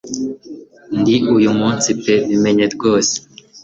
Ndi uyu munsi pe bimenye rwose